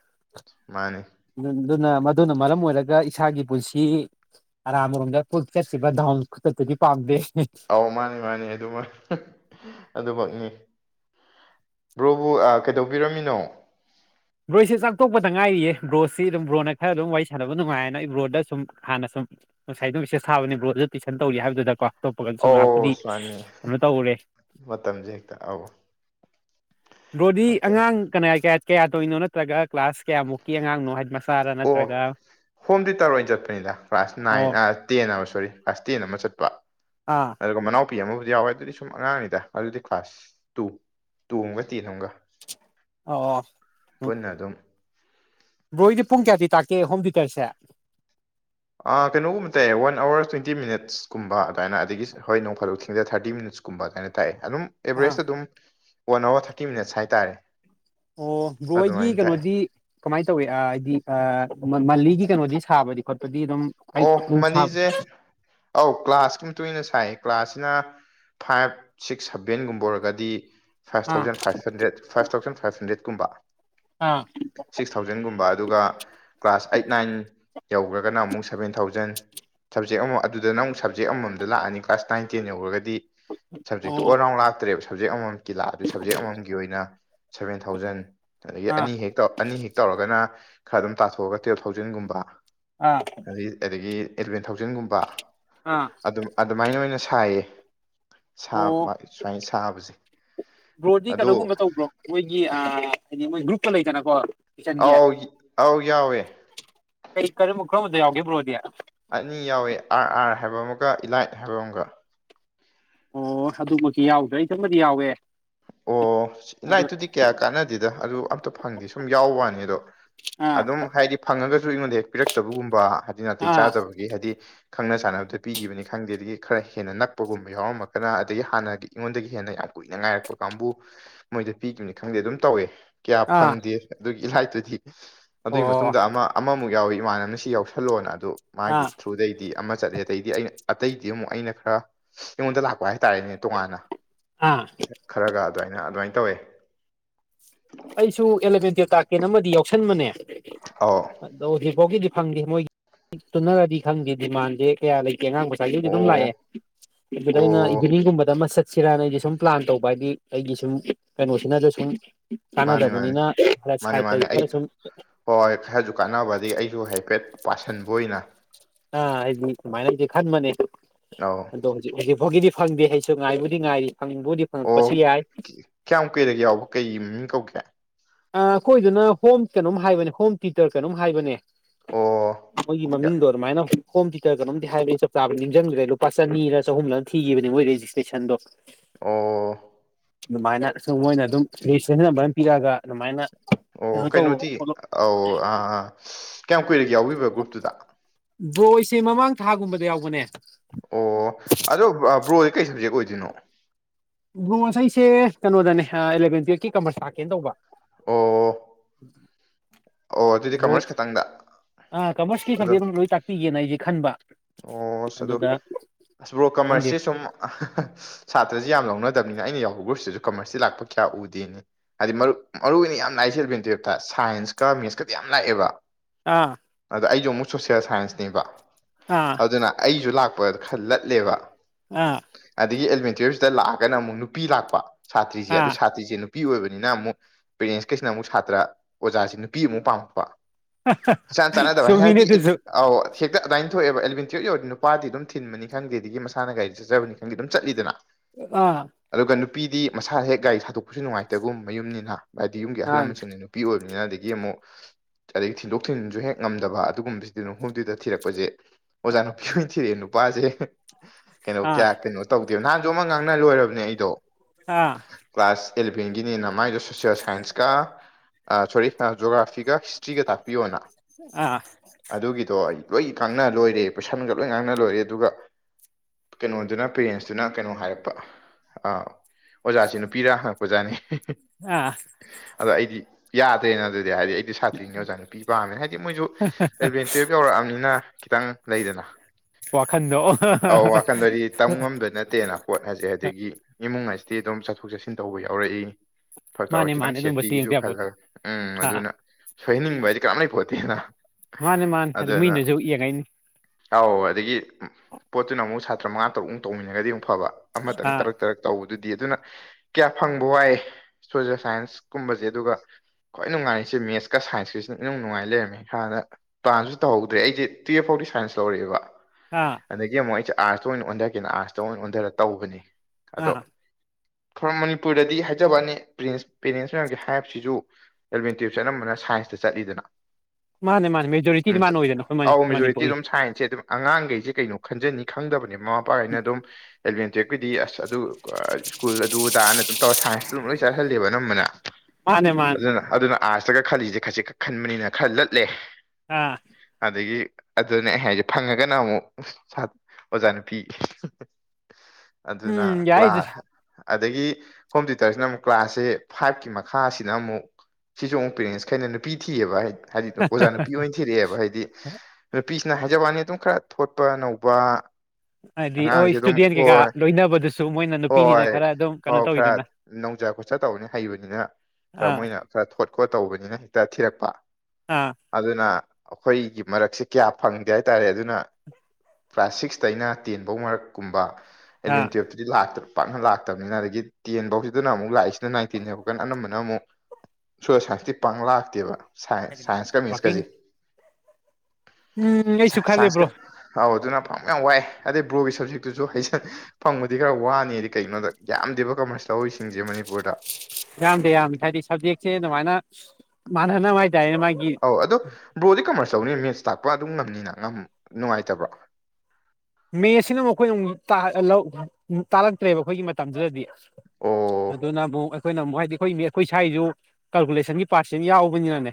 [SPEAKER 2] ꯃꯥꯅꯦ
[SPEAKER 1] ꯃꯗꯨꯅ ꯃꯗꯨꯅ ꯃꯔꯝ ꯑꯣꯏꯔꯒ ꯏꯁꯥꯒꯤ ꯄꯨꯟꯁꯤ ꯑꯔꯥꯟꯕꯔꯣꯝꯗ ꯐꯨꯜ ꯆꯠꯈꯤꯕ ꯗꯥꯎꯟ ꯈꯨꯆꯠꯇꯨꯗꯤ ꯄꯥꯝꯗꯦ
[SPEAKER 2] ꯑꯥꯎ ꯃꯥꯅꯤ ꯃꯥꯅꯤ ꯑꯗꯨꯃꯛ ꯑꯗꯨꯃꯛꯅꯤ ꯕ꯭ꯔꯣꯕꯨ ꯑꯥ ꯀꯩꯗꯧꯕꯤꯔꯝꯃꯤꯅꯣ
[SPEAKER 1] ꯕ꯭ꯔꯣ ꯑꯩꯁꯦ ꯆꯥꯛ ꯇꯣꯛꯄꯥꯇ ꯉꯥꯏꯔꯤꯌꯦ ꯕ꯭ꯔꯣꯁꯤ ꯑꯗꯨꯝ ꯕ꯭ꯔꯣꯅ ꯈꯔ ꯑꯗꯨꯝ ꯋꯥꯔꯤ ꯁꯥꯟꯅꯕ ꯅꯨꯡꯉꯥꯏꯌꯦꯅ ꯑꯩ ꯕ꯭ꯔꯣꯗ ꯁꯨꯝ ꯍꯥꯟꯅ ꯁꯨꯝ ꯉꯁꯥꯏꯗꯣ ꯃꯦꯁꯦꯁ ꯊꯥꯕꯅꯦ ꯕ꯭ꯔꯣꯗꯣ ꯇꯨꯏꯁꯟ ꯇꯧꯔꯤ ꯍꯥꯏꯕꯗꯨꯗꯀꯣ ꯑꯇꯣꯞꯄꯒ ꯁꯨꯝ ꯉꯥꯏꯍꯥꯛꯄꯨꯗꯤ ꯀꯩꯅꯣ ꯇꯧꯔꯨꯔꯦ
[SPEAKER 2] ꯃꯇꯝꯖꯦ ꯍꯦꯛꯇ ꯑꯥꯎ
[SPEAKER 1] ꯕ꯭ꯔꯣꯗꯤ ꯑꯉꯥꯡ ꯀꯅꯥ ꯀꯌꯥ ꯀꯌꯥ ꯇꯧꯔꯤꯅꯣ ꯅꯠꯇ꯭ꯔꯒ ꯀ꯭ꯂꯥꯁ ꯀꯌꯥꯃꯨꯛꯀꯤ ꯑꯉꯥꯡꯅꯣ ꯍꯥꯢꯗꯤ ꯃꯁꯤꯡ
[SPEAKER 2] ꯑꯣ ꯍꯣꯝ ꯇꯨꯢꯇꯥꯔ ꯑꯣꯢꯅ ꯆꯠꯄꯥꯅꯤꯗ ꯀ꯭ꯂꯥꯁ
[SPEAKER 1] ꯑꯣ
[SPEAKER 2] ꯅꯥꯏꯟ ꯑꯥ ꯇꯦꯟ ꯍꯥꯢꯕ ꯁꯣꯔꯤ ꯀ ꯭ꯂꯥꯁ ꯇꯦꯟ ꯑꯃ ꯆꯠꯄ
[SPEAKER 1] ꯑꯥ
[SPEAKER 2] ꯑꯗꯨꯒ ꯃꯅꯥꯎꯄꯤ ꯑꯃꯕꯨꯗꯤ ꯌꯥꯎꯋꯦ ꯑꯗꯨꯗꯤ ꯁꯨꯝ ꯑꯉꯥꯡꯅꯤꯗ ꯑꯗꯨꯗꯤ ꯀ꯭ꯂꯥꯁ ꯇꯨ ꯇꯨ ꯑꯝꯒ ꯇꯦꯟ ꯑꯝꯒ
[SPEAKER 1] ꯑꯣ
[SPEAKER 2] ꯄꯨꯟꯅ ꯑꯗꯨꯝ
[SPEAKER 1] ꯕ꯭ꯔꯣꯍꯣꯏꯗꯤ ꯄꯨꯡ ꯀꯌꯥꯗꯤ ꯇꯥꯛꯀꯦ ꯍꯣꯝ ꯇꯨꯏꯇꯔꯁꯦ
[SPEAKER 2] ꯑꯥ ꯀꯩꯅꯣꯒꯕ ꯇꯥꯛꯑꯦ ꯋꯥꯟ ꯑꯋꯥꯔ ꯇ꯭ꯋꯦꯟꯇꯤ ꯃꯤꯅꯠꯁꯀꯨꯝꯕ ꯑꯗꯥꯏꯅ ꯑꯗꯒꯤ ꯍꯣꯏ ꯅꯣꯡ ꯐꯥꯗꯣꯛ ꯊꯦꯡꯅ ꯊꯔꯇꯤ ꯃꯤꯅꯠꯁꯀꯨꯝ ꯀꯨꯝꯕ ꯑꯗꯥꯏꯅ ꯇꯥꯛꯑꯦ ꯑꯗꯨꯝ ꯑꯦꯚꯔꯦꯖꯇ
[SPEAKER 1] ꯑꯥ
[SPEAKER 2] ꯑꯗꯨꯝ ꯋꯥꯟ ꯑꯋꯥꯔ ꯊꯥꯔꯇꯤ ꯃꯤꯅꯠꯁ ꯍꯥꯏꯇꯥꯔꯦ
[SPEAKER 1] ꯑꯣ ꯕ꯭ꯔꯣ ꯍꯣꯏꯒꯤ
[SPEAKER 2] ꯑꯗꯨꯃꯥꯏꯅ ꯇꯥꯛꯑꯦ
[SPEAKER 1] ꯀꯩꯅꯣꯗꯤ ꯀꯃꯥꯏ ꯇꯧꯋꯤ ꯑꯥ ꯍꯥꯏꯗꯤ ꯑꯥ ꯃꯜꯂꯤꯒꯤ ꯀꯩꯅꯣꯗꯤ ꯁꯥꯕꯗꯤ ꯈꯣꯠꯄꯗꯤ ꯑꯗꯨꯝ
[SPEAKER 2] ꯑꯣ
[SPEAKER 1] ꯑꯩꯃꯨꯛ ꯁꯥꯕ
[SPEAKER 2] ꯃꯅꯤꯖꯦ ꯑꯧ ꯀ꯭ꯂꯥꯁꯀꯤ ꯃꯇꯨꯡ ꯏꯟꯅ ꯁꯥꯏ ꯀ꯭ꯂꯥꯁꯁꯤꯅ ꯐꯥꯏꯕ ꯁꯤꯛꯁ ꯁꯚꯦꯟꯒꯨꯝꯕ ꯑꯣꯏꯔꯒꯗꯤ ꯐꯥꯏꯚ
[SPEAKER 1] ꯑꯥ
[SPEAKER 2] thousand five hundred five thousand five ꯍꯟꯗ꯭ꯔꯦꯠꯀꯨꯝꯕ
[SPEAKER 1] ꯑꯥ
[SPEAKER 2] ꯁꯤꯛꯁ ꯊꯥꯎꯖꯟꯒꯨꯝꯕ ꯑꯗꯨꯒ ꯀ꯭ꯂꯥꯁ ꯑꯩꯠ ꯅꯥꯏꯟ ꯌꯧꯒ꯭ꯔꯒꯅ ꯑꯃꯨꯛ ꯁꯕꯦꯟ ꯊꯥꯎꯖꯟ ꯁꯞꯖꯦꯛ ꯑꯃ ꯑꯗꯨꯗꯅ ꯑꯃꯨꯛ ꯁꯞꯖꯦꯛ ꯑꯃꯃꯝꯗ ꯂꯥꯛꯑꯅꯤ ꯀ꯭ꯂꯥꯁ ꯅꯥꯏꯟ ꯇꯦꯟ ꯌꯧꯒ꯭ꯔꯒꯗꯤ ꯁꯞꯖꯦꯛꯇꯣ
[SPEAKER 1] ꯑꯣ
[SPEAKER 2] ꯑꯣꯜ ꯔꯥꯎꯟ ꯂꯥꯛꯇ꯭ꯔꯦꯕ ꯁꯕꯖꯦꯛ ꯑꯃꯃꯝꯀꯤ ꯂꯥꯛꯑꯗꯤ ꯁꯕꯖꯦꯛ ꯑꯃꯃꯝꯒꯤ ꯑꯣꯏꯅ ꯁꯚꯦꯟ ꯊꯥꯎꯖꯟ ꯑꯗꯒꯤ
[SPEAKER 1] ꯑꯥ
[SPEAKER 2] ꯑꯅꯤ ꯍꯦꯛ ꯇꯧ ꯑꯅꯤ ꯍꯦꯛ ꯇꯧꯔꯒꯅ ꯈꯔ ꯑꯗꯨꯝ ꯇꯥꯊꯣꯛꯑꯒ ꯇꯨꯌꯦꯞ ꯊꯥꯎꯖꯟꯒꯨꯝꯕ
[SPEAKER 1] ꯑꯥ
[SPEAKER 2] ꯑꯗꯒꯤ ꯑꯦꯂꯦꯚꯦꯟ ꯊꯥꯎꯖꯟꯒꯨꯝꯕ
[SPEAKER 1] ꯑꯥ
[SPEAKER 2] ꯑꯗꯨꯝ ꯑꯗꯨꯃꯥꯏꯅ ꯑꯣꯏꯅ ꯁꯥꯏꯌꯦ
[SPEAKER 1] ꯑꯣ
[SPEAKER 2] ꯁꯥꯕ ꯁꯨꯃꯥꯏꯅ ꯁꯥꯕꯖꯦ
[SPEAKER 1] ꯕ꯭ꯔꯣꯗꯤ
[SPEAKER 2] ꯑꯗꯣ
[SPEAKER 1] ꯀꯩꯅꯣꯒꯨꯝꯕ ꯇꯧꯕ꯭ꯔꯣ ꯃꯣꯏꯒꯤ ꯑꯥ ꯍꯥꯏꯗꯤ ꯃꯣꯏ ꯒ꯭ꯔꯨꯞꯀ ꯂꯩꯗꯅꯀꯣ ꯇꯨꯏꯁꯟꯒꯤ
[SPEAKER 2] ꯑꯥꯎ ꯑꯥꯎ ꯌꯥꯎꯋꯦ
[SPEAKER 1] ꯀꯩ ꯀꯔꯝꯕ ꯀꯔꯝꯕꯗ ꯌꯥꯎꯒꯦ ꯕ꯭ꯔꯣꯗꯤ
[SPEAKER 2] ꯑꯅꯤ ꯌꯥꯎꯋꯦ ꯑꯥꯔ ꯑꯥꯔ ꯍꯥꯏꯕ ꯑꯃꯒ ꯏꯂꯥꯏꯠ ꯍꯥꯏꯕ ꯑꯃꯒ
[SPEAKER 1] ꯑꯣ ꯑꯗꯨꯃꯛꯇ ꯌꯥꯎꯗ꯭ꯔꯦ ꯑꯩꯁꯨ ꯑꯃꯗꯤ ꯌꯥꯎꯋꯦ
[SPEAKER 2] ꯑꯣ
[SPEAKER 1] ꯑꯗꯨ
[SPEAKER 2] ꯏꯅꯥꯏꯠꯇꯨꯗꯤ ꯀꯌꯥ ꯀꯥꯟꯅꯗꯦꯗ ꯑꯗꯨ ꯑꯝꯇ ꯐꯪꯗꯦ ꯁꯨꯝ ꯌꯥꯎꯕ ꯋꯥꯅꯦ ꯑꯗꯣ
[SPEAKER 1] ꯑꯥ
[SPEAKER 2] ꯑꯗꯨꯝ ꯍꯥꯏꯗꯤ ꯐꯪꯉꯒꯁꯨ ꯑꯩꯉꯣꯟꯗ ꯍꯦꯛ ꯄꯤꯔꯛꯇꯕꯒꯨꯝꯕ ꯍꯥꯏꯗꯤ ꯅꯥꯇꯩ
[SPEAKER 1] ꯑꯥ
[SPEAKER 2] ꯆꯥꯗꯕꯒꯤ ꯍꯥꯏꯗꯤ ꯈꯪꯅ ꯆꯥꯟꯅꯕꯗ ꯄꯤꯒꯤꯕꯅꯦ ꯈꯪꯗꯦ ꯑꯗꯒꯤ ꯈꯔ ꯍꯦꯟꯅ ꯅꯛꯄꯒꯨꯝꯕ ꯌꯥꯎꯔꯝꯃꯒꯅ ꯑꯗꯒꯤ ꯍꯥꯟꯅꯒꯤ ꯑꯩꯉꯣꯟꯗꯒꯤ ꯍꯦꯟꯅ ꯌꯥꯝ ꯀꯨꯏꯅ ꯉꯥꯏꯔꯛꯄ ꯀꯥꯡꯕꯨ ꯃꯣꯏꯗ ꯄꯤꯒꯤꯕꯅꯤ ꯈꯪꯗꯦ ꯑꯗꯨꯝ ꯇꯧꯋꯦ ꯀꯌꯥ
[SPEAKER 1] ꯑꯥ
[SPEAKER 2] ꯐꯪꯗꯦ ꯑꯗꯨꯒꯤ ꯏꯂꯥꯏꯠꯇꯨꯗꯤ ꯑꯗꯨꯏ
[SPEAKER 1] ꯑꯣ
[SPEAKER 2] ꯃꯇꯨꯡꯗ ꯑꯃ ꯑꯃꯃꯨꯛ ꯌꯥꯎꯏ ꯏꯃꯥꯟꯅꯕꯅ ꯁꯤ ꯌꯥꯎꯁꯜꯂꯣꯅ ꯑꯗꯨ ꯃꯥꯒꯤ
[SPEAKER 1] ꯑꯥ
[SPEAKER 2] ꯊꯨꯔ ꯑꯗꯨꯗꯩꯗꯤ ꯑꯃ ꯆꯠꯂꯦ ꯑꯗꯩꯗꯤ ꯑꯩꯅ ꯑꯇꯩꯗꯤ ꯑꯃꯨꯛ ꯑꯩꯅ ꯈꯔ ꯑꯩꯉꯣꯟꯗ ꯂꯥꯛꯄ ꯍꯥꯏꯇꯥꯔꯦꯅꯦ ꯇꯣꯉꯥꯟꯅ
[SPEAKER 1] ꯍꯥꯥ
[SPEAKER 2] ꯈꯔꯒ ꯑꯗꯨꯋꯥꯏꯅ ꯑꯗꯨꯋꯥꯏꯅ ꯇꯧꯋꯦ
[SPEAKER 1] ꯑꯩꯁꯨ ꯑꯦꯂꯚꯦꯟ ꯇꯨꯋꯦꯞ ꯇꯥꯀꯦꯅ ꯑꯃꯗꯤ ꯌꯥꯎꯁꯟꯕꯅꯦ
[SPEAKER 2] ꯑꯧ
[SPEAKER 1] ꯑꯗꯣ ꯍꯧꯖꯤꯛꯐꯥꯎꯒꯤꯗꯤ ꯐꯪꯗꯦ ꯃꯣꯏꯒꯤ [unintelligible] ꯇꯨꯅꯔꯗꯤ ꯈꯪꯗꯦ ꯗꯤꯃꯥꯟꯖꯦ ꯀꯌꯥ ꯂꯩꯇꯦ ꯑꯉꯥꯡꯁꯦ [unintelligible] ꯑꯗꯨꯝ
[SPEAKER 2] ꯑꯣ
[SPEAKER 1] ꯂꯥꯛꯑꯦ [unintelligible]
[SPEAKER 2] ꯑꯣ
[SPEAKER 1] ꯏꯚꯤꯅꯤꯡꯒꯨꯝꯕꯗ ꯑꯃ ꯆꯠꯁꯤꯔꯥꯅ ꯑꯩꯗꯤ ꯁꯨꯝ ꯄ꯭ꯂꯥꯟ ꯇꯧꯕ ꯍꯥꯏꯗꯤ ꯑꯩꯒꯤ ꯁꯨꯝ ꯀꯩꯅꯣꯁꯤꯅꯖꯨ ꯁꯨꯝ
[SPEAKER 2] ꯃꯥꯅꯦ ꯃꯥꯅꯦ
[SPEAKER 1] ꯀꯥꯟꯅꯗꯕꯅꯤꯅ ꯈꯔ
[SPEAKER 2] ꯃꯥꯅꯦ ꯃꯥꯅꯦ
[SPEAKER 1] ꯁꯥꯏꯠꯇꯁꯨ
[SPEAKER 2] ꯑꯩ
[SPEAKER 1] ꯈꯔ ꯁꯨꯝ
[SPEAKER 2] ꯍꯣꯏ ꯈꯔꯖꯨ ꯀꯥꯟꯅꯕ ꯑꯗꯩ ꯑꯩꯁꯨ ꯍꯥꯏꯐꯦꯠ ꯄꯥꯁꯟꯕ ꯑꯣꯏꯅ
[SPEAKER 1] ꯑꯥ ꯑꯩꯗꯤ ꯑꯗꯨꯃꯥꯏꯅꯗꯤ ꯈꯟꯕꯅꯦ
[SPEAKER 2] ꯑꯧ
[SPEAKER 1] ꯑꯗꯣ ꯍꯧꯖꯤꯛ ꯍꯧꯖꯤꯛꯐꯥꯎꯒꯤꯗꯤ ꯐꯪꯗꯦ ꯑꯩꯁꯨ ꯉꯥꯏꯕꯨꯗꯤ ꯉꯥꯏꯔꯤ ꯐꯪꯕꯨꯗꯤ ꯐꯪꯉꯛꯄꯁꯨ
[SPEAKER 2] ꯑꯣ
[SPEAKER 1] ꯌꯥꯏ
[SPEAKER 2] ꯀꯌꯥꯝ ꯀꯨꯏꯔꯒ ꯌꯥꯎꯕ ꯀꯩ ꯃꯃꯤꯡ ꯀꯧꯒꯦ
[SPEAKER 1] ꯑꯥ ꯑꯩꯈꯣꯏꯗꯨꯅ ꯍꯣꯝ ꯀꯩꯅꯣꯝ ꯍꯥꯏꯕꯅꯦ ꯍꯣꯝ ꯇ꯭ꯌꯨꯇꯔ ꯀꯩꯅꯣꯝ ꯍꯥꯏꯕꯅꯦ
[SPEAKER 2] ꯑꯣ
[SPEAKER 1] ꯃꯣꯏꯒꯤ
[SPEAKER 2] ꯌꯥ-
[SPEAKER 1] ꯃꯃꯤꯡꯗꯣ ꯑꯗꯨꯃꯥꯏꯅ ꯍꯣꯝ ꯇ꯭ꯌꯨꯇꯔ ꯀꯩꯅꯣꯝꯗꯤ ꯍꯥꯏꯕꯅꯤ ꯆꯞ ꯆꯥꯕ ꯅꯤꯡꯖꯤꯡꯗ꯭ꯔꯦ ꯂꯨꯄꯥ ꯆꯅꯤꯔ ꯆꯍꯨꯝꯂ ꯊꯤꯒꯤꯕꯅꯦ ꯃꯣꯏ ꯔꯦꯖꯤꯁꯇ꯭꯭ꯔꯦꯁꯟꯗꯣ
[SPEAKER 2] ꯑꯣ
[SPEAKER 1] ꯑꯗꯨꯃꯥꯏꯅ ꯁꯨꯝ ꯃꯣꯏꯅ ꯑꯗꯨꯝ ꯔꯦꯖꯤꯁꯇ꯭ꯔꯦꯁꯟ ꯅꯝꯕꯔ ꯑꯃ ꯄꯤꯔꯛꯑꯒ ꯑꯗꯨꯃꯥꯏꯅ
[SPEAKER 2] ꯑꯣ
[SPEAKER 1] ꯀꯩꯅꯣ ꯇꯧꯔꯣ
[SPEAKER 2] ꯀꯩꯅꯣꯗꯤ
[SPEAKER 1] ꯈꯣꯠꯂꯣ
[SPEAKER 2] ꯑꯧ ꯑꯥ ꯀꯌꯥꯝ ꯀꯨꯏꯔꯒꯦ ꯌꯥꯎꯕꯤꯕ ꯒ꯭ꯔꯨꯞꯇꯨꯗ
[SPEAKER 1] ꯕ꯭ꯔꯣ ꯑꯩꯁꯦ ꯃꯃꯥꯡ ꯊꯥꯒꯨꯝꯕꯗ ꯌꯥꯎꯕꯅꯦ
[SPEAKER 2] ꯑꯣ ꯑꯗꯣ ꯑꯥ ꯕ꯭ꯔꯣꯖꯦ ꯀꯩ ꯁꯕꯖꯦꯛ ꯑꯣꯏꯗꯣꯏꯅꯣ
[SPEAKER 1] ꯕ꯭ꯔꯣ ꯉꯁꯥꯏꯁꯦ ꯀꯩꯅꯣꯗꯅꯦ ꯑꯥ ꯑꯦꯂꯚꯦꯟ ꯇꯨꯋꯦꯜꯞꯀꯤ ꯀꯃꯔꯁ ꯇꯥꯛꯀꯦꯅ ꯇꯧꯕ
[SPEAKER 2] ꯑꯣ ꯑꯣ ꯑꯗꯨꯗꯤ
[SPEAKER 1] ꯕ꯭ꯔꯣ
[SPEAKER 2] ꯀꯃꯔꯁ ꯈꯛꯇꯪꯗ
[SPEAKER 1] ꯑꯥ ꯀꯃꯔꯁꯀꯤ
[SPEAKER 2] ꯑꯗꯣ
[SPEAKER 1] ꯁꯕꯖꯦꯛ ꯑꯗꯨꯝ ꯂꯣꯏ ꯇꯥꯛꯄꯤꯒꯦꯅ ꯑꯩꯁꯦ ꯈꯟꯕ
[SPEAKER 2] ꯑꯣ ꯑꯁ ꯑꯗꯣ
[SPEAKER 1] ꯑꯗꯨꯗ
[SPEAKER 2] ꯕ꯭ꯔꯣ
[SPEAKER 1] ꯈꯪꯗꯦ
[SPEAKER 2] ꯀꯃꯔꯁꯁꯦ ꯁꯨꯝ ꯑꯍꯥꯍꯥ ꯁꯥꯇ꯭ꯔꯁꯦ ꯌꯥꯝ ꯂꯧꯅꯗꯕꯅꯤꯅ ꯑꯩꯅ ꯌꯥꯎꯕ ꯒ꯭ꯔꯨꯞꯁꯤꯗꯖꯨ ꯀꯃꯔꯁꯇꯤ ꯂꯥꯛꯄ ꯀꯌꯥ ꯎꯗꯦꯅꯦ ꯍꯥꯏꯗꯤ ꯃꯔꯨ ꯃꯔꯨ ꯑꯣꯏꯅ ꯌꯥꯝ ꯂꯥꯛꯏꯁꯦ ꯑꯦꯂꯕꯦꯟ ꯇꯨꯌꯦꯜꯞꯇ ꯁꯥꯏꯟꯁꯀ ꯃꯦꯠꯁꯀꯗꯤ ꯌꯥꯝ ꯂꯥꯛꯑꯦꯕ
[SPEAKER 1] ꯑꯥ
[SPEAKER 2] ꯑꯗ ꯑꯩꯁꯨ ꯑꯃꯨꯛ ꯁꯣꯁꯌꯦꯜ ꯁꯥꯏꯟꯁꯅꯦꯕ
[SPEAKER 1] ꯑꯥ
[SPEAKER 2] ꯑꯗꯨꯅ ꯑꯩꯁꯨ ꯂꯥꯛꯄ ꯈꯔ ꯂꯠꯂꯦꯕ
[SPEAKER 1] ꯑꯥ
[SPEAKER 2] ꯑꯗꯒꯤ ꯑꯦꯂꯕꯦꯟ ꯇꯨꯋꯦꯞꯁꯤꯗ ꯂꯥꯛꯑꯒꯅ ꯑꯃꯨꯛ ꯅꯨꯄꯤ ꯂꯥꯛꯄ ꯁꯥꯇ꯭ꯔꯤꯁꯦ ꯑꯗꯨ
[SPEAKER 1] ꯑꯥ
[SPEAKER 2] ꯁꯥꯇ꯭ꯔꯤꯁꯦ ꯅꯨꯄꯤ ꯑꯣꯏꯕꯅꯤꯅ ꯑꯃꯨꯛ ꯄꯦꯔꯦꯟꯁꯀꯩꯁꯤꯅ ꯑꯃꯨꯛ ꯁꯥꯇ꯭ꯔ ꯑꯣꯖꯥꯁꯤ ꯅꯨꯄꯤ ꯑꯃꯨꯛ ꯄꯥꯝꯃꯛꯄ ꯏꯆꯥꯅ ꯆꯥꯟꯅꯗꯕ ꯍꯥꯏ
[SPEAKER 1] ꯆꯨꯝꯃꯤꯅꯦ
[SPEAKER 2] ꯍꯥꯏꯗꯤ
[SPEAKER 1] ꯑꯗꯨꯁꯨ
[SPEAKER 2] ꯑꯧ ꯍꯦꯛꯇ ꯑꯗꯨꯃꯥꯏꯅ ꯊꯣꯛꯑꯦꯕ ꯑꯦꯜꯕꯦꯟ ꯇꯨꯋꯦꯜꯞ ꯌꯧꯔꯗꯤ ꯅꯨꯄꯥꯗꯤ ꯑꯗꯨꯝ ꯊꯤꯟꯕ ꯅꯤ ꯈꯪꯗꯦ ꯑꯗꯒꯤ ꯃꯁꯥꯅ ꯒꯥꯔꯤ ꯆꯠꯆꯕꯅꯤ ꯈꯪꯗꯦ ꯑꯗꯨꯝ ꯆꯠꯂꯤꯗꯅ
[SPEAKER 1] ꯑꯥ
[SPEAKER 2] ꯑꯗꯨꯒ ꯅꯨꯄꯤꯗꯤ ꯃꯁꯥ ꯍꯦꯛ ꯒꯥꯔꯤ ꯊꯥꯗꯣꯛꯄꯁꯨ ꯅꯨꯡꯉꯥꯏꯇꯒꯨꯝ ꯃꯌꯨꯝꯅꯤꯅ ꯍꯥꯏꯗꯤ ꯌꯨꯝꯒꯤ ꯑꯍꯜ
[SPEAKER 1] ꯑꯥ
[SPEAKER 2] ꯂꯃꯟꯁꯤꯡꯅꯁꯨ ꯅꯨꯄꯤ ꯑꯣꯏꯕꯅꯤꯅ ꯑꯗꯒꯤ ꯑꯃꯨꯛ ꯑꯗꯒꯤ ꯊꯤꯟꯗꯣꯛ ꯊꯤꯟꯖꯤꯟꯁꯨ ꯍꯦꯛ ꯉꯝꯗꯕ ꯑꯗꯨꯒꯨꯝꯕꯁꯤꯗꯤ ꯑꯗꯨꯝ ꯍꯣꯝꯇꯤꯌꯨꯇꯔ ꯊꯤꯔꯛꯄꯁꯦ ꯑꯣꯖꯥ ꯅꯨꯄꯤ ꯑꯣꯏꯅ ꯊꯤꯔꯛꯑꯦ ꯅꯨꯄꯥꯁꯦ ꯀꯩꯅꯣ
[SPEAKER 1] ꯑꯥ
[SPEAKER 2] ꯀꯌꯥ ꯀꯩꯅꯣ ꯇꯧꯗꯦꯕ ꯅꯍꯥꯟꯁꯨ ꯑꯃ ꯉꯥꯡꯅ ꯂꯣꯏꯔꯕꯅꯦ ꯑꯩꯗꯣ
[SPEAKER 1] ꯑꯥ
[SPEAKER 2] ꯀ꯭ꯂꯥꯁ ꯑꯦꯂꯕꯦꯟꯒꯤꯅꯤꯅ ꯃꯥꯏꯗꯣ ꯁꯣꯁꯤꯌꯦꯜ ꯁꯥꯏꯟꯁꯀ ꯁꯣꯔꯤ ꯖꯣꯒ꯭ꯔꯥꯐꯤꯒ ꯍꯤꯁꯇ꯭ꯔꯤꯒ ꯇꯥꯛꯄꯤꯌꯣꯅ
[SPEAKER 1] ꯑꯥ
[SPEAKER 2] ꯑꯗꯨꯒꯤꯗꯣ ꯑꯩ ꯂꯣꯏ ꯉꯥꯡꯅ ꯂꯣꯏꯔꯦ ꯄꯩꯁꯥ ꯅꯨꯡꯁꯥ ꯂꯣꯏ ꯉꯥꯡꯅ ꯂꯣꯏꯔꯦ ꯑꯗꯨꯒ ꯀꯩꯅꯣꯗꯨꯅ ꯄꯦꯔꯦꯟꯁꯇꯨꯅ ꯀꯩꯅꯣ ꯍꯥꯏꯔꯛꯄ ꯑꯥ ꯑꯣꯖꯥꯁꯤ ꯅꯨꯄꯤꯔꯥ ꯍꯪꯉꯛꯄ ꯖꯥꯠꯅꯤ
[SPEAKER 1] ꯑꯥ
[SPEAKER 2] ꯑꯗꯣ ꯑꯩꯗꯤ ꯌꯥꯗ꯭ꯔꯦꯅ ꯑꯗꯨꯗꯤ ꯍꯥꯏꯗꯤ ꯑꯩꯗꯤ ꯁꯥꯇ꯭ꯔꯤꯅꯤꯅ ꯑꯣꯖꯥ ꯅꯨꯄꯤ ꯄꯥꯝꯃꯦ ꯍꯥꯏꯗꯤ ꯃꯣꯏꯁꯨ ꯑꯦꯂꯚꯦꯟ ꯇꯨꯌꯦꯞ ꯌꯧꯔꯛꯑꯕꯅꯤꯅ ꯈꯤꯇꯪ ꯂꯩꯗꯅ
[SPEAKER 1] ꯋꯥꯈꯟꯗꯣ
[SPEAKER 2] ꯑꯧ ꯋꯥꯈꯟꯗꯗꯤ ꯇꯝ ꯉꯝꯕ ꯅꯠꯇꯦꯅ ꯄꯣꯠ ꯍꯥꯏꯁꯦ ꯑꯗꯨꯗꯒꯤ ꯏꯃꯨꯡ ꯍꯥꯏꯁꯤꯗꯤ ꯑꯗꯨꯝ ꯆꯠꯊꯣꯛ ꯆꯠꯁꯤꯟ ꯇꯧꯕ ꯌꯥꯎꯔꯛꯏ ꯐꯛ ꯇꯧꯔ
[SPEAKER 1] ꯃꯥꯅꯦ
[SPEAKER 2] ꯈꯤꯇꯪ
[SPEAKER 1] ꯃꯥꯅꯦ ꯑꯗꯨꯝꯕꯁꯨ
[SPEAKER 2] ꯁꯦꯐꯇꯤꯒꯤꯁꯨ
[SPEAKER 1] ꯌꯦꯡꯕ ꯌꯥꯄꯣꯠꯇꯦ
[SPEAKER 2] ꯈꯜꯂꯒ ꯎꯝ
[SPEAKER 1] ꯑꯥ
[SPEAKER 2] ꯑꯗꯨꯅ ꯁꯣꯏꯍꯅꯤꯡꯕ ꯍꯥꯏꯗꯤ ꯀꯅꯥꯝ ꯂꯩꯄꯣꯠꯇꯦꯅ
[SPEAKER 1] ꯃꯥꯅꯦ ꯃꯥꯅꯦ ꯑꯗꯨ ꯃꯤꯅꯁꯨ ꯌꯦꯡꯉꯛꯏꯅꯤ
[SPEAKER 2] ꯑꯥꯎ ꯑꯗꯒꯤ ꯄꯣꯠꯇꯨꯅ ꯑꯃꯨꯛ ꯁꯥꯇ꯭ꯔ ꯃꯉꯥ ꯇꯔꯨꯛꯃꯨꯛ ꯇꯧꯃꯤꯟꯅꯔꯒꯗꯤ ꯑꯃꯨꯛ ꯐꯕ ꯑꯃꯇꯪ
[SPEAKER 1] ꯑꯥ
[SPEAKER 2] ꯇꯔꯛ ꯇꯔꯛ ꯇꯧꯕꯗꯨꯗꯤ ꯑꯗꯨꯅ ꯀꯌꯥ ꯐꯪꯕ ꯋꯥꯏ ꯁꯣꯁꯦꯜ ꯁꯥꯏꯟꯁ ꯀꯨꯝꯕꯁꯦ ꯑꯗꯨꯒ ꯈ꯭ꯋꯥꯏ ꯅꯨꯡꯉꯥꯏꯔꯤꯁꯦ ꯃꯦꯠꯁꯀ ꯁꯥꯏꯟꯁꯀꯁꯤꯅ ꯏꯅꯨꯡ ꯅꯨꯡꯉꯥꯏ ꯂꯩꯔꯝꯃꯦ ꯍꯥꯟꯅ ꯄ꯭ꯂꯥꯟꯁꯨ ꯇꯧꯍꯧꯗ꯭ꯔꯦ ꯑꯩꯁꯦ ꯇꯨꯌꯦꯐ ꯐꯥꯎꯗꯤ ꯁꯥꯏꯟꯁ ꯂꯧꯔꯛꯑꯦꯕ
[SPEAKER 1] ꯑꯥ
[SPEAKER 2] ꯑꯗꯒꯤ ꯑꯃꯨꯛ ꯑꯩꯁꯦ ꯑꯥꯔꯠꯁꯇ ꯑꯣꯏꯅ ꯑꯣꯟꯊꯒꯦꯅ ꯑꯥꯔꯠꯁꯇ ꯑꯣꯏꯅ ꯑꯣꯟꯊꯔꯒ ꯇꯧꯕꯅꯦ ꯑꯗꯣ
[SPEAKER 1] ꯑꯥ
[SPEAKER 2] ꯃꯅꯤꯄꯨꯔꯗꯗꯤ ꯍꯥꯏꯖꯕ ꯋꯥꯅꯤ ꯄꯦꯔꯦꯟ ꯄꯦꯔꯦꯟꯁ ꯃꯌꯥꯝꯒꯤ ꯍꯥꯏꯕꯁꯤꯁꯨ ꯑꯦꯂꯕꯦꯟ ꯇꯨꯋꯦꯞ ꯑꯅꯝꯕꯅ ꯁꯥꯏꯟꯁꯇ ꯆꯠꯂꯤꯗꯅ
[SPEAKER 1] ꯃꯥꯅꯦ ꯃꯥꯅꯦ ꯃꯦꯖꯣꯔꯤꯇꯤꯗꯤ
[SPEAKER 2] ꯎꯝ
[SPEAKER 1] ꯃꯥꯅ ꯑꯣꯏꯗꯅ ꯑꯩꯈꯣꯏ ꯃꯅꯤ
[SPEAKER 2] ꯑꯧ ꯃꯦꯖꯣꯔꯤꯇꯤ
[SPEAKER 1] ꯃꯅꯤꯄꯨꯔꯒꯤ
[SPEAKER 2] ꯑꯗꯨꯝ ꯁꯥꯏꯟꯁꯁꯦ ꯑꯗꯨꯝ ꯑꯉꯥꯡꯈꯩꯁꯦ ꯀꯩꯅꯣ ꯈꯟꯖꯅꯤ ꯈꯪꯗꯕꯅꯦ ꯃꯃꯥ ꯃꯄꯥꯈꯩꯅ ꯑꯗꯨꯝ ꯑꯦꯂꯕꯦꯟ ꯇꯨꯋꯜꯞꯀꯤꯗꯤ ꯑꯁ ꯑꯗꯨ ꯁ꯭ꯀꯨꯜ ꯑꯗꯨ ꯑꯗꯥꯑꯅ ꯑꯗꯨꯝ ꯇꯧꯔ ꯁꯥꯏꯟꯁꯇ ꯑꯗꯨꯝ ꯂꯣꯏ ꯆꯠꯍꯜꯂꯦꯕ ꯑꯅꯝꯕꯅ
[SPEAKER 1] ꯃꯥꯅꯦ ꯃꯥꯅꯦ
[SPEAKER 2] ꯑꯗꯨꯅ ꯑꯗꯨꯅ ꯑꯥꯔꯠꯁꯇꯒ ꯈꯜꯂꯤꯁꯦ ꯈꯖꯤꯛ ꯈꯛ ꯈꯟꯕꯅꯤꯅ ꯈꯔ ꯂꯠꯂꯦ
[SPEAKER 1] ꯑꯥ
[SPEAKER 2] ꯑꯗꯒꯤ ꯑꯗꯨꯅꯦ ꯑꯩ ꯍꯥꯏꯁꯦ ꯐꯪꯉꯒꯅ ꯑꯃꯨꯛ ꯑꯣꯖꯥꯅꯨꯄꯤ
[SPEAKER 1] [inaudible]
[SPEAKER 2] ꯑꯗꯨꯅ
[SPEAKER 1] ꯌꯥꯏꯗ
[SPEAKER 2] ꯀ꯭ꯂꯥꯁ ꯑꯗꯒꯤ ꯍꯣꯝ ꯇꯤꯌꯨꯇꯔꯁꯤꯅ ꯑꯃꯨꯛ ꯀ꯭ꯂꯥꯁꯁꯦ ꯐꯥꯏꯚꯀꯤ ꯃꯈꯥꯁꯤꯅ ꯑꯃꯨꯛ ꯁꯤꯁꯨ ꯑꯃꯨꯛ ꯄꯦꯔꯦꯟꯁ ꯈꯩꯅ ꯅꯨꯄꯤ ꯊꯤꯑꯕ ꯍꯥꯏꯗꯤ ꯍꯥꯏꯗꯤ ꯑꯣꯖꯥ ꯅꯨꯄꯤ ꯑꯣꯏꯅ ꯊꯤꯔꯛꯑꯦꯕ ꯍꯥꯏꯗꯤ ꯅꯨꯄꯤꯁꯤꯅ ꯍꯥꯏꯖꯕ ꯋꯥꯅꯤ ꯑꯗꯨꯝ ꯈꯔ ꯊꯣꯠꯄ ꯅꯧꯕ
[SPEAKER 1] ꯍꯥꯏꯗꯤ ꯍꯣꯏ
[SPEAKER 2] ꯑꯉꯥꯡꯁꯦ ꯑꯗꯨꯝ
[SPEAKER 1] ꯏꯁꯇꯨꯗꯦꯟ ꯀꯩꯀꯥ
[SPEAKER 2] ꯍꯣꯏ
[SPEAKER 1] ꯂꯣꯏꯅꯕꯗꯨꯁꯨ ꯃꯣꯏꯅ ꯅꯨꯄꯤꯅꯤꯅ ꯈꯔ ꯑꯗꯨꯝ ꯀꯩꯅꯣ ꯇꯧꯋꯤꯗꯅ
[SPEAKER 2] ꯅꯧꯖꯥ ꯈꯣꯠꯆꯥ ꯇꯧꯕꯅꯤ ꯍꯩꯕꯅꯤꯅ ꯈꯔ
[SPEAKER 1] ꯑꯥ
[SPEAKER 2] ꯃꯣꯏꯅ ꯈꯔ ꯈꯣꯠ ꯈꯣꯠ ꯇꯧꯕꯅꯤꯅ ꯍꯦꯛꯇ ꯊꯤꯔꯛꯄ
[SPEAKER 1] ꯑꯥ
[SPEAKER 2] ꯑꯗꯨꯅ ꯑꯩꯈꯣꯏꯒꯤ ꯃꯔꯛꯁꯤ ꯀꯌꯥ ꯐꯪꯗꯦ ꯍꯥꯏꯇꯥꯔꯦ ꯑꯗꯨꯅ ꯀ꯭ꯂꯥꯁ ꯁꯤꯛꯁꯇꯩꯅ ꯇꯦꯟꯕꯧ ꯃꯔꯛꯀꯨꯝꯕ
[SPEAKER 1] ꯑꯥ
[SPEAKER 2] ꯑꯦꯂꯚꯦꯟ ꯇꯨꯋꯦꯞ ꯗꯨꯗꯤ ꯂꯥꯛꯇꯞ ꯄꯥꯛꯅ ꯂꯥꯛꯇꯝꯅꯤꯅ ꯑꯗꯒꯤ ꯇꯦꯟꯐꯧꯁꯤꯗꯅ ꯑꯃꯨꯛ ꯂꯥꯛꯏꯁꯤꯅ ꯅꯥꯏꯟꯇꯤꯟꯅꯦꯕ ꯑꯅꯝꯕꯅ ꯑꯃꯨꯛ ꯁꯣꯏꯁ ꯁꯥꯏꯟꯁꯇꯤ ꯄꯪ ꯂꯥꯛꯇꯦꯕ ꯁꯥꯏ ꯁꯥꯏꯟꯁꯀ
[SPEAKER 1] ꯋꯥꯀꯤꯡ
[SPEAKER 2] ꯃꯤꯠꯁꯀꯖꯦ
[SPEAKER 1] ꯎꯝ ꯑꯩꯁꯨ ꯈꯜꯂꯦ
[SPEAKER 2] ꯁꯁꯥꯏꯟꯁꯀꯥ
[SPEAKER 1] ꯕ꯭ꯔꯣ
[SPEAKER 2] ꯍꯥꯎ ꯑꯗꯨꯅ ꯄꯪꯕ ꯌꯥꯝ ꯋꯥꯏ ꯑꯗꯩ ꯕ꯭ꯔꯣꯒꯤ ꯁꯕꯖꯦꯛꯇꯨꯖꯨ ꯍꯩꯁꯠ ꯐꯪꯕꯗꯤ ꯈꯔ ꯋꯥꯅꯤꯗꯤ ꯀꯩꯒꯤꯅꯣꯗ ꯌꯥꯝꯗꯦꯕ ꯀꯃꯔꯁ ꯂꯧꯔꯤꯁꯤꯡꯖꯦ ꯃꯅꯤꯄꯨꯔꯗ
[SPEAKER 1] ꯌꯥꯝꯗꯦ ꯌꯥꯝꯗꯦ ꯍꯥꯏꯗꯤ ꯁꯞꯖꯦꯛꯁꯦ ꯑꯗꯨꯃꯥꯏꯅ ꯃꯥꯟꯍꯟꯅꯕ ꯍꯥꯏꯇꯥꯔꯦꯅꯦ ꯃꯥꯒꯤ
[SPEAKER 2] ꯑꯣ ꯑꯗꯣ ꯕ꯭ꯔꯣꯗꯤ ꯀꯃꯔꯁ ꯂꯧꯅꯤ ꯃꯦꯠꯁ ꯇꯥꯛꯄ ꯑꯗꯨꯝ ꯉꯝꯅꯤꯅ ꯉꯝ ꯅꯨꯡꯉꯥꯏꯇꯕ꯭ꯔꯣ
[SPEAKER 1] ꯃꯦꯁꯤꯅ ꯃꯨ ꯈꯣꯏꯅ ꯑꯃꯨꯛ ꯇꯥ ꯑꯥ ꯂꯧ ꯇꯥꯂꯛꯇ꯭ꯔꯦꯕ ꯑꯩꯈꯣꯏꯒꯤ ꯃꯇꯝꯗꯨꯗꯗꯤ
[SPEAKER 2] ꯑꯣ
[SPEAKER 1] ꯑꯗꯨꯅ ꯑꯃꯨꯛ ꯑꯩꯈꯣꯏꯅ ꯑꯃꯨꯛ ꯍꯥꯏꯗꯤ ꯑꯩꯈꯣꯏ ꯃꯦ ꯑꯩꯈꯣꯏ ꯁꯋꯥꯏꯖꯨ ꯀꯥꯜꯀꯨꯂꯦꯁꯟꯒꯤ ꯄꯥꯔꯠꯁꯦ ꯑꯝ ꯌꯥꯎꯕꯅꯤꯅꯅꯦ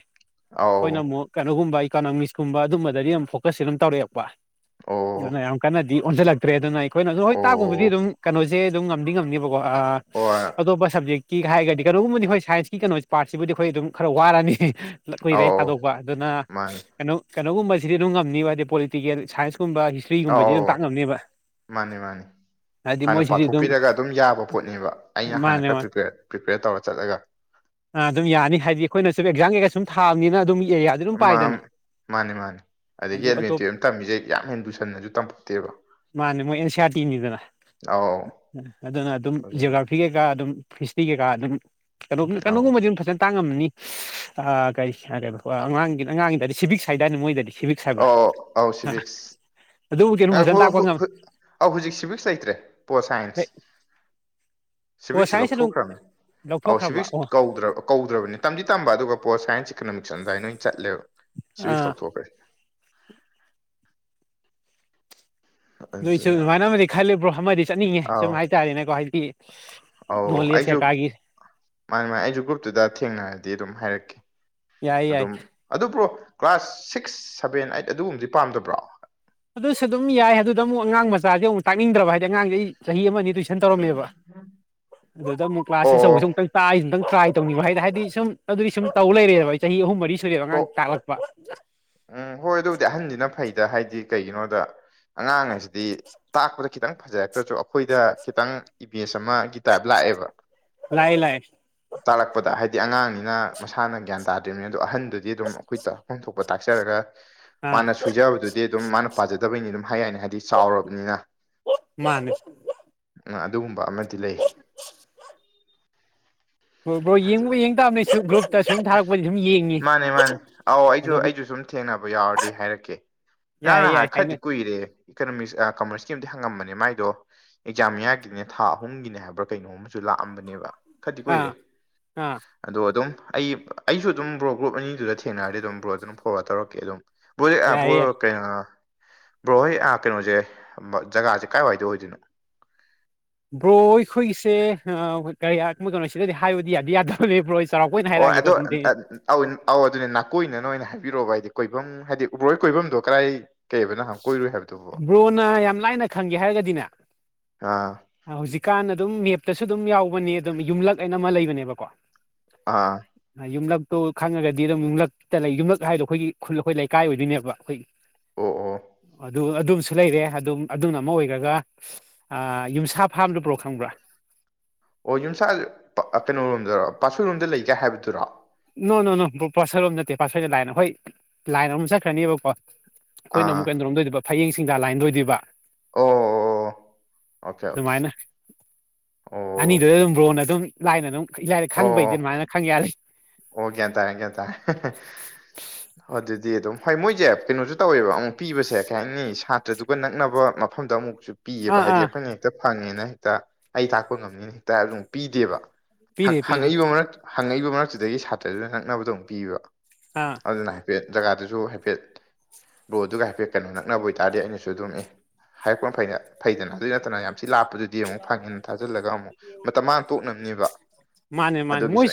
[SPEAKER 2] ꯑꯧ
[SPEAKER 1] ꯑꯩꯈꯣꯏꯅ ꯑꯃꯨꯛ ꯀꯩꯅꯣꯒꯨꯝꯕ ꯏꯀꯣꯅꯣꯃꯤꯛꯁꯀꯨꯝꯕ ꯑꯗꯨꯝꯕꯗꯗꯤ ꯌꯥꯝ ꯐꯣꯀꯁꯁꯦ ꯑꯗꯨꯝ ꯇꯧꯔꯛꯄ
[SPEAKER 2] ꯑꯣ
[SPEAKER 1] ꯑꯗꯨꯅ ꯌꯥꯝ ꯗꯤ ꯑꯣꯟꯖꯤꯜꯂꯛꯇ꯭ꯔꯦ ꯑꯗꯨꯅ ꯑꯩꯈꯣꯏꯅꯖꯨ ꯍꯣꯏ ꯇꯥꯛꯄꯕꯨꯗꯤ
[SPEAKER 2] ꯑꯣ
[SPEAKER 1] ꯑꯗꯨꯝ ꯀꯩꯅꯣꯁꯦ ꯑꯗꯨꯝ ꯉꯝꯗꯤ ꯉꯝꯅꯤꯕꯀꯣ ꯑꯥ
[SPEAKER 2] ꯍꯣꯢ
[SPEAKER 1] ꯑꯇꯣꯞꯄ ꯁꯕꯖꯦꯛꯀꯤ ꯍꯥꯏꯔꯒꯗꯤ ꯀꯩꯅꯣꯒꯨꯝꯕꯗꯤ ꯍꯣꯏ ꯁꯥꯏꯟꯁꯀꯤ ꯀꯩꯅꯣꯁꯤ ꯄꯥꯔꯠꯁꯤꯕꯨꯗꯤ ꯑꯩꯈꯣꯏ ꯑꯗꯨꯝ ꯈꯔ ꯋꯥꯔꯅꯤ ꯀꯨꯏꯔꯦ
[SPEAKER 2] ꯑꯧ
[SPEAKER 1] ꯊꯗꯣꯛꯄ ꯑꯗꯨꯅ
[SPEAKER 2] ꯃꯥꯅꯤ
[SPEAKER 1] ꯀꯩꯅꯣ ꯀꯩꯅꯣꯒꯨꯝꯕꯁꯤꯗꯤ ꯑꯗꯨꯝ ꯉꯝꯅꯤꯕ ꯍꯥꯏꯗꯤ ꯄꯣꯂꯤꯇꯤꯀꯦꯜ ꯁꯥꯏꯟꯁꯀꯨꯝꯕ ꯍꯤꯁꯇ꯭ꯔꯤꯒꯨꯝꯕꯁꯤꯗꯤ ꯑꯗꯨꯝ ꯇꯥꯛ ꯉꯝꯅꯦꯕ
[SPEAKER 2] ꯃꯥꯅꯦ ꯃꯥꯅꯦ ꯍꯥꯟꯅ ꯄꯥꯊꯣꯛꯄꯤꯔꯒ ꯑꯗꯨꯝ ꯌꯥꯕ ꯄꯣꯠꯅꯤꯕ ꯑꯩꯅ ꯍꯥꯟꯅ
[SPEAKER 1] ꯃꯥꯅꯦ
[SPEAKER 2] ꯈꯔ
[SPEAKER 1] ꯃꯥꯅꯦ
[SPEAKER 2] ꯄ꯭ꯔꯤꯄꯔ ꯄ꯭ꯔꯤꯄꯦꯌꯔ ꯇꯧꯔ ꯆꯠꯂꯒ
[SPEAKER 1] ꯑꯥ ꯑꯗꯨꯝ ꯌꯥꯅꯤ ꯍꯥꯏꯗꯤ ꯑꯩꯈꯣꯏꯅ ꯁꯨꯝ ꯑꯦꯛꯖꯥꯝ ꯀꯩꯀ ꯁꯨꯝ ꯊꯥꯝꯅꯤꯅ ꯑꯗꯨꯝ ꯑꯦꯌꯥ
[SPEAKER 2] ꯑꯃꯝ ꯃꯥꯅꯦ ꯃꯥꯅꯦ ꯑꯗꯒꯤ
[SPEAKER 1] ꯑꯗꯨ
[SPEAKER 2] ꯏꯂꯚꯦꯟ
[SPEAKER 1] ꯑꯇꯣꯞ
[SPEAKER 2] ꯇꯨꯌꯦꯞ ꯇꯝꯃꯤꯁꯦ ꯌꯥꯝ ꯍꯦꯟ ꯂꯨꯁꯟꯅꯖꯨ ꯇꯝ
[SPEAKER 1] ꯃꯥꯅꯦ ꯃꯣꯏ ꯑꯦꯟ ꯁꯤ ꯑꯥꯔ ꯇꯤꯅꯤꯗꯅ
[SPEAKER 2] ꯑꯧ
[SPEAKER 1] ꯑꯗꯨꯅ ꯑꯗꯨꯝ
[SPEAKER 2] ꯑꯗꯨꯅ
[SPEAKER 1] ꯖꯤꯑꯣꯒ꯭ꯔꯥꯞ ꯐꯤ ꯀꯩꯀꯥ ꯑꯗꯨꯝ ꯐꯤꯔꯁꯇ꯭ꯔꯤ ꯀꯩꯀꯥ ꯑꯗꯨꯝ ꯀꯩꯅꯣꯒꯤ
[SPEAKER 2] ꯑꯧ
[SPEAKER 1] ꯀꯩꯅꯣꯒꯨꯝꯕꯗꯤ ꯑꯗꯨꯝ ꯐꯖꯟ ꯇꯥꯡ ꯉꯝꯃꯅꯤ ꯑꯥ ꯀꯔꯤ [unintelligible] ꯑꯉꯥꯡꯒꯤ ꯑꯉꯥꯡꯒꯤꯗꯗꯤ ꯁꯤꯚꯤꯛꯁ ꯍꯥꯏꯗꯥꯏꯅꯦ ꯃꯣꯏꯗꯗꯤ ꯁꯤꯚꯤꯛ
[SPEAKER 2] ꯑꯣ ꯑꯥꯎ ꯁꯤꯚꯤꯛꯁ
[SPEAKER 1] ꯑꯗꯨꯕꯨꯗꯤ ꯑꯗꯨꯝ
[SPEAKER 2] ꯉꯥꯏꯈꯣ
[SPEAKER 1] ꯐꯖꯅ ꯇꯥꯛꯄ
[SPEAKER 2] ꯈꯣ
[SPEAKER 1] ꯉꯝꯃꯦ
[SPEAKER 2] ꯈꯣꯏ ꯑꯧ ꯍꯧꯖꯤꯛ ꯁꯤꯚꯤꯛꯁ ꯂꯩꯇ꯭ꯔꯦ ꯄꯣꯜ ꯁꯥꯏꯟꯁ
[SPEAKER 1] ꯑꯗꯩ ꯄꯣꯜ
[SPEAKER 2] ꯁꯤꯚꯤꯛꯁꯦ
[SPEAKER 1] ꯁꯥꯏꯟꯁ ꯑꯗꯨꯝ
[SPEAKER 2] ꯂꯧꯊꯣꯛꯈ꯭ꯔꯝꯅꯦ ꯑꯧ
[SPEAKER 1] ꯂꯧꯊꯣꯛꯈ꯭ꯔꯕ
[SPEAKER 2] ꯁꯤꯚꯤꯛꯁ
[SPEAKER 1] ꯑꯣ
[SPEAKER 2] ꯀꯧꯗ꯭ꯔꯕ ꯀꯧꯗ꯭ꯔꯕꯅꯤ ꯇꯝꯗꯤ ꯇꯝꯕ ꯑꯗꯨꯒ ꯄꯣꯜ ꯁꯥꯏꯟꯁ ꯏꯀꯅꯣꯃꯤꯛꯁ ꯑꯗꯨꯗꯥꯏꯟꯅ ꯑꯣꯏ ꯆꯠꯂꯦꯕ ꯁꯤꯚꯤꯛꯁ
[SPEAKER 1] ꯑꯥ
[SPEAKER 2] ꯂꯧꯊꯣꯛꯈ꯭ꯔꯦ
[SPEAKER 1] ꯅꯣꯏꯁꯨ
[SPEAKER 2] ꯑꯗꯨꯅ
[SPEAKER 1] ꯑꯗꯨꯃꯥꯏꯅꯕꯨꯗꯤ ꯈꯜꯂꯦ ꯕ꯭ꯔꯣ ꯑꯃꯥꯗꯤ ꯆꯠꯅꯤꯡꯉꯦ
[SPEAKER 2] ꯑꯧ
[SPEAKER 1] ꯁꯨꯝ ꯍꯥꯏꯇꯥꯔꯦꯅꯦꯀꯣ ꯍꯥꯏꯗꯤ
[SPEAKER 2] ꯑꯧ
[SPEAKER 1] ꯅꯣꯂꯦꯖ
[SPEAKER 2] ꯑꯩꯁꯨ
[SPEAKER 1] ꯀꯩꯀꯥꯒꯤ
[SPEAKER 2] ꯃꯥꯅꯦ ꯃꯥꯅꯦ ꯑꯩꯁꯨ ꯒ꯭ꯔꯨꯞꯇꯨꯗ ꯊꯦꯡꯅꯔꯗꯤ ꯑꯗꯨꯝ ꯍꯥꯏꯔꯛꯀꯦ
[SPEAKER 1] ꯌꯥꯏ ꯌꯥꯏ
[SPEAKER 2] ꯑꯗꯨꯝ ꯑꯗꯨ bro class six seven eight ꯑꯗꯨꯒꯨꯝꯕꯗꯤ ꯄꯥꯝꯗꯕ꯭ꯔꯣ
[SPEAKER 1] ꯑꯗꯨꯁꯨ ꯑꯗꯨꯝ ꯌꯥꯏ ꯑꯗꯨꯗ ꯑꯃꯨꯛ ꯑꯉꯥꯡ ꯃꯆꯥꯗꯤ ꯑꯃꯨꯛ ꯇꯥꯛꯅꯤꯡꯗ꯭ꯔꯕ ꯍꯥꯏꯗꯤ ꯑꯉꯥꯡꯆꯩ ꯆꯍꯤ ꯑꯃ ꯑꯅꯤ ꯇꯨꯏꯁꯟ ꯇꯧꯔꯝꯃꯦꯕ ꯑꯗꯨꯗ ꯑꯃꯨꯛ ꯀ꯭ꯂꯥꯁꯁꯦ
[SPEAKER 2] ꯑꯣ
[SPEAKER 1] ꯑꯆꯧꯕꯁꯤ ꯑꯃꯨꯛꯇꯪ ꯇꯥꯏ ꯑꯝꯇꯪ ꯇꯔꯥꯏ ꯇꯧꯅꯤꯡꯕ ꯍꯥꯏꯅ ꯍꯥꯏꯗꯤ ꯁꯨꯝ ꯑꯗꯨꯗꯤ ꯁꯨꯝ ꯇꯧ ꯂꯩꯔꯦꯕ ꯑꯩ ꯆꯍꯤ ꯑꯍꯨꯝ ꯃꯔꯤ ꯁꯨꯔꯦꯕ
[SPEAKER 2] ꯍꯣ
[SPEAKER 1] ꯑꯉꯥꯡ ꯇꯥꯛꯂꯛꯄ
[SPEAKER 2] ꯎꯝ ꯍꯣꯏ ꯑꯗꯨꯕꯨꯗꯤ ꯑꯍꯟꯖꯤꯅ ꯐꯩꯗ ꯍꯥꯏꯗꯤ ꯀꯩꯒꯤꯅꯣꯗ ꯑꯉꯥꯡ ꯍꯥꯏꯁꯤꯗꯤ ꯇꯥꯛꯄꯗ ꯈꯤꯇꯪ ꯐꯖꯔꯛꯇ꯭ꯔꯁꯨ ꯑꯩꯈꯣꯏꯗ ꯈꯤꯇꯪ ꯏꯚꯦꯟꯁ ꯑꯃꯥ ꯒꯤ ꯇꯥꯏꯞ ꯂꯥꯛꯑꯦꯕ
[SPEAKER 1] ꯂꯥꯛꯑꯦ ꯂꯥꯛꯑꯦ
[SPEAKER 2] ꯇꯥꯛꯂꯛꯄꯗ ꯍꯥꯏꯗꯤ ꯑꯉꯥꯡꯅꯤꯅ ꯃꯁꯥꯅ ꯒ꯭ꯌꯥꯟ ꯇꯥꯗ꯭ꯔꯤꯝꯅꯤꯅ ꯑꯗꯣ ꯑꯍꯟꯗꯨꯗꯤ ꯑꯗꯨꯝ ꯑꯩꯈꯣꯏ ꯇꯥꯛꯐꯝ ꯊꯣꯛꯕ ꯄꯥ ꯇꯥꯛꯆꯔꯒ
[SPEAKER 1] ꯑꯥ
[SPEAKER 2] ꯃꯥꯅ ꯁꯣꯏꯖꯕꯗꯨꯗꯤ ꯑꯗꯨꯝ ꯃꯥꯅ ꯄꯥꯖꯗꯕꯩꯅꯤ ꯑꯗꯨꯝ ꯍꯥꯏ ꯌꯥꯏꯅ ꯍꯥꯏꯗꯤ ꯆꯥꯎꯔꯕꯅꯤꯅ
[SPEAKER 1] ꯃꯥꯅꯦ
[SPEAKER 2] ꯃꯥ ꯑꯗꯨꯒꯨꯝꯕ ꯑꯃꯥꯗꯤ ꯂꯩ
[SPEAKER 1] ꯕ꯭ꯔꯣ ꯌꯦꯡꯕꯨ
[SPEAKER 2] ꯑꯗꯨꯅ
[SPEAKER 1] ꯌꯦꯡꯇꯥꯝꯅꯦ ꯆꯨ ꯒ꯭ꯔꯨꯞ
[SPEAKER 2] ꯃꯥꯅꯦ ꯃꯥꯅꯦ ꯑꯧ ꯑꯩꯖꯨ
[SPEAKER 1] ꯑꯗꯨꯝ
[SPEAKER 2] ꯑꯩꯖꯨ ꯁꯨꯝ ꯊꯦꯡꯅꯕ ꯌꯥꯎꯔꯗꯤ ꯍꯥꯏꯔꯛꯀꯦ ꯉꯔꯥꯡ
[SPEAKER 1] ꯌꯥꯏ
[SPEAKER 2] ꯅꯍꯥꯟ
[SPEAKER 1] ꯌꯥꯏ
[SPEAKER 2] ꯈꯔꯗꯤ
[SPEAKER 1] ꯍꯥꯏꯅꯩ
[SPEAKER 2] ꯀꯨꯏꯔꯦ ꯏꯀꯣꯅꯣꯃꯤꯛꯁ ꯑꯥ ꯀꯃꯔꯁꯀꯤ ꯑꯝꯗꯤ ꯍꯪꯉꯝꯕꯅꯦ ꯃꯥꯏꯗꯣ ꯑꯦꯛꯖꯥꯝ ꯃꯥꯌꯥꯀꯤꯅꯦ ꯊꯥ ꯑꯍꯨꯝꯒꯤꯅꯦ ꯍꯥꯏꯕ꯭ꯔꯥ ꯀꯩꯅꯣꯝ ꯑꯃꯁꯨ ꯂꯥꯛꯑꯝꯕꯅꯦꯕ ꯈꯇꯤ ꯀꯨꯏꯔꯦ
[SPEAKER 1] ꯑꯥ ꯑꯥ
[SPEAKER 2] ꯑꯗꯣ ꯑꯗꯨꯝ ꯑꯩ ꯑꯩꯁꯨ ꯑꯗꯨꯝ ꯕ꯭ꯔꯣ ꯒ꯭ꯔꯨꯞ ꯑꯅꯤꯗꯨꯗ ꯊꯦꯡꯅꯔꯗꯤ ꯑꯗꯨꯝ ꯕ꯭ꯔꯣ ꯑꯗꯨ ꯐꯣꯔꯋꯥꯔꯠ ꯇꯧꯔꯛꯀꯦ ꯑꯗꯨꯝ ꯕ꯭ꯔꯣꯖꯦ ꯑꯥ
[SPEAKER 1] ꯌꯥꯏꯌꯦ ꯌꯥꯏ
[SPEAKER 2] ꯀꯩꯅꯣ ꯕ꯭ꯔꯣ ꯍꯣꯏ ꯑ ꯀꯩꯅꯣꯖꯦ ꯎꯝ ꯖꯒꯥꯖꯦ ꯀꯥꯏ ꯋꯥꯏꯗ ꯑꯣꯏꯗꯣꯏꯅꯣ
[SPEAKER 1] ꯕ꯭ꯔꯣ ꯑꯩꯈꯣꯏꯒꯤꯁꯦ ꯑ ꯀꯔꯤꯌꯥ ꯃꯣꯏ ꯀꯩꯅꯣ ꯁꯤꯗꯗꯤ ꯍꯥꯏꯕꯗꯤ ꯌꯥꯗꯤ ꯌꯥꯗꯕꯅꯦ ꯕ꯭ꯔꯣ ꯆꯥꯎꯔꯥꯛꯄ ꯑꯣꯏꯅ
[SPEAKER 2] ꯑꯣ
[SPEAKER 1] ꯍꯥꯏꯔꯛꯑꯒꯦꯀꯣ
[SPEAKER 2] ꯑꯗꯣ
[SPEAKER 1] ꯑꯗꯨꯗꯤ
[SPEAKER 2] ꯑꯧ ꯑꯧ ꯑꯗꯨꯅꯦ ꯅꯥꯀꯣꯏꯅꯅ ꯑꯣꯏꯅ ꯍꯥꯏꯕꯤꯔꯛꯑꯣꯕ ꯍꯥꯏꯗꯤ ꯀꯣꯏꯕꯝ ꯍꯥꯏꯗꯤ ꯕ꯭ꯔꯣ ꯍꯣꯏꯒꯤ ꯀꯣꯏꯕꯝꯗꯣ ꯀꯗꯥꯏ ꯀꯩꯑꯕ ꯅꯍꯥꯟꯃꯨꯛ
[SPEAKER 1] ꯕ꯭ꯔꯣꯅ ꯌꯥꯝ ꯂꯥꯏꯅ ꯈꯪꯒꯦ ꯍꯥꯏꯔꯒꯗꯤꯅꯦ
[SPEAKER 2] ꯑꯥ
[SPEAKER 1] ꯍꯧꯖꯤꯛꯀꯥꯟ ꯑꯗꯨꯝ ꯃꯦꯞꯇꯁꯨ ꯑꯗꯨꯝ ꯌꯥꯎꯕꯅꯦ ꯑꯗꯨꯝ ꯌꯨꯝꯂꯛ ꯑꯅ ꯑꯃ ꯂꯩꯕꯅꯦꯕꯀꯣ
[SPEAKER 2] ꯑꯥ
[SPEAKER 1] ꯌꯨꯝꯂꯛꯇꯣ ꯈꯪꯉꯒꯗꯤ ꯑꯗꯨꯝ ꯌꯨꯝꯂꯛꯇ ꯂꯩ ꯌꯨꯝꯂꯛ ꯍꯥꯏꯗꯣ ꯑꯩꯈꯣꯏꯒꯤ ꯈꯨꯜ ꯑꯩꯈꯣꯏ ꯂꯩꯀꯥꯏ ꯑꯣꯏꯗꯣꯏꯅꯦꯕ ꯑꯩꯈꯣꯏ
[SPEAKER 2] ꯑꯣ ꯑꯣ
[SPEAKER 1] ꯑꯗꯨ ꯑꯗꯨꯝꯁꯨ ꯂꯩꯔꯦ ꯑꯗꯨꯝ ꯑꯗꯨꯅ ꯑꯃ ꯑꯣꯏꯒ꯭ꯔꯒ ꯑ ꯌꯨꯝꯁꯥ ꯐꯥꯝꯗꯣ ꯕ꯭ꯔꯣ ꯈꯪꯕ꯭ꯔꯥ
[SPEAKER 2] ꯑꯣ ꯌꯨꯝꯁꯥꯖꯦ ꯑ ꯀꯩꯅꯣꯔꯣꯝꯗꯔꯣ ꯄꯥꯠꯁꯣꯏꯔꯣꯝꯗ ꯂꯩ ꯀꯥꯏ ꯍꯥꯏꯕꯗꯨꯔꯣ
[SPEAKER 1] ꯅꯣ ꯅꯣ ꯅꯣ ꯕ꯭ꯔꯣ ꯄꯥꯠꯁꯣꯏꯔꯣꯝ ꯅꯠꯇꯦ ꯄꯥꯠꯁꯣꯏꯗ ꯂꯥꯏꯟ ꯑꯩꯈꯣꯏ ꯂꯥꯏꯟ ꯑꯃꯥ ꯆꯠꯈ꯭ꯔꯅꯦꯕꯀꯣ ꯑꯩꯈꯣꯏꯅ
[SPEAKER 2] ꯑꯥ
[SPEAKER 1] ꯑꯃꯨꯛ ꯀꯩꯅꯣꯔꯣꯝꯗ ꯑꯣꯏꯗꯣꯏꯕ ꯐꯌꯦꯡ ꯁꯤꯡꯗꯥ ꯂꯥꯏꯟꯗ ꯑꯣꯏꯗꯣꯏꯕ
[SPEAKER 2] ꯑꯣ ꯑꯣ ꯑꯣꯀꯦ ꯑꯣꯀꯦ
[SPEAKER 1] ꯑꯗꯨꯃꯥꯏꯅ
[SPEAKER 2] ꯑꯣ
[SPEAKER 1] ꯑꯅꯤꯗꯨꯗ ꯗꯨꯝ ꯕ꯭ꯔꯣꯅ ꯑꯗꯨꯝ ꯂꯥꯏꯅ ꯑꯗꯨꯝ ꯌꯥꯔꯦ ꯈꯪꯕꯩꯗꯤ
[SPEAKER 2] ꯑꯣ
[SPEAKER 1] ꯑꯗꯨꯃꯥꯏꯅ ꯈꯪ ꯌꯥꯔꯦ
[SPEAKER 2] ꯑꯣ ꯒ꯭ꯌꯥꯟ ꯇꯥꯔꯦ ꯒ꯭ꯌꯥꯟ ꯇꯥꯔꯦ ꯍꯦ ꯍꯦ
[SPEAKER 1] [inaudible]
[SPEAKER 2] ꯑꯗꯨꯗꯤ ꯑꯗꯨꯝ ꯍꯣꯏ ꯃꯣꯏꯖꯦ ꯀꯩꯅꯣꯖꯨ ꯇꯧꯋꯦꯕ ꯑꯃꯨꯛ ꯄꯤꯕꯁꯦ ꯀꯩ ꯍꯥꯏꯅꯤ ꯁꯥꯇ꯭ꯔꯗꯨꯒ ꯅꯛꯅꯕ ꯃꯐꯝꯗ ꯑꯃꯨꯛꯁꯨ ꯄꯤꯌꯦꯕ
[SPEAKER 1] ꯑꯥ
[SPEAKER 2] ꯍꯥꯏꯗꯤ
[SPEAKER 1] ꯑꯥ
[SPEAKER 2] ꯑꯩꯈꯣꯏꯅ ꯍꯦꯛꯇ ꯐꯪꯉꯦꯅ ꯍꯦꯛꯇ ꯑꯩ ꯇꯛꯄ ꯉꯝꯅꯦꯅ ꯍꯦꯛꯇ ꯑꯗꯨꯝ ꯄꯤꯗꯦꯕ ꯍꯪ
[SPEAKER 1] ꯄꯤꯗꯦ ꯄꯤꯗꯦ
[SPEAKER 2] ꯍꯪꯉꯛꯏꯕ ꯃꯔꯛ ꯍꯪꯉꯛꯏꯕ ꯃꯔꯛꯇꯨꯗꯒꯤ ꯁꯥꯇ꯭ꯔꯗꯨꯅꯥ ꯅꯛꯅꯕꯗꯣ ꯑꯃꯨꯛ ꯄꯤꯌꯦꯕ
[SPEAKER 1] ꯑꯥ
[SPEAKER 2] ꯑꯗꯨꯅ ꯍꯥꯏꯐꯦꯠ ꯖꯒꯥꯗꯨꯖꯨ ꯍꯥꯏꯐꯦꯠ ꯕ꯭ꯔꯣ ꯑꯗꯨꯒ ꯍꯥꯏꯐꯦꯠ ꯀꯩꯅꯣ ꯅꯛꯅꯕ ꯑꯣꯏꯇꯥꯔꯗꯤ ꯑꯩꯅꯁꯨ ꯑꯗꯨꯝ ꯍꯥꯏꯔꯛꯄ ꯐꯩꯗꯅ ꯐꯩꯗꯅ ꯑꯗꯨꯗꯤ ꯅꯠꯇꯅ ꯌꯥꯝ ꯊꯤꯅ ꯂꯥꯞ ꯑꯗꯨꯗꯤ ꯑꯃꯨꯛ ꯐꯥꯏꯐꯀꯤ ꯑꯃꯨꯛ ꯊꯥꯖꯤꯜꯂꯒ ꯑꯃꯨꯛ ꯃꯇꯝ ꯃꯥꯡꯉ ꯇꯣꯛꯅꯝꯅꯦꯕ
[SPEAKER 1] ꯃꯥꯅꯦ ꯃꯥꯅꯦ ꯃꯣꯏ